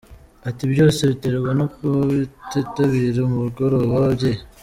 Ati “Byose biterwa no kuba batitabira umugoroba w’ababyeyi.